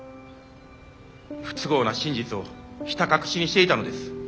不都合な真実をひた隠しにしていたのです。